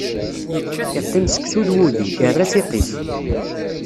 Iqqim seksu d wudi, irra tiqit.